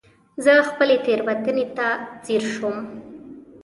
زه خپلې تېروتنې ته ځير شوم.